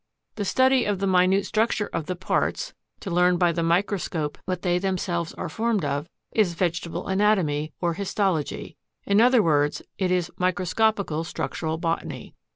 The study of the minute structure of the parts, to learn by the microscope what they themselves are formed of, is VEGETABLE ANATOMY, or HISTOLOGY; in other words, it is Microscopical Structural Botany.